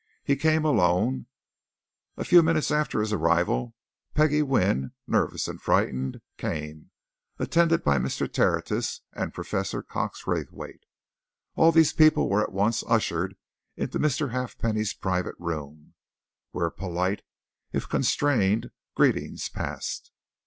He came alone; a few minutes after his arrival Peggie Wynne, nervous and frightened, came, attended by Mr. Tertius and Professor Cox Raythwaite. All these people were at once ushered into Mr. Halfpenny's private room, where polite, if constrained, greetings passed.